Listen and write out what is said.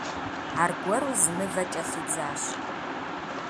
Аргуэру зы мывэ кӀэлъидзащ.